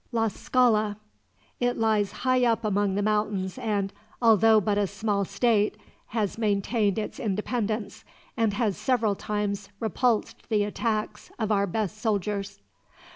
"Tlascala. It lies high up among the mountains and, although but a small state, has maintained its independence, and has several times repulsed the attacks of our best soldiers."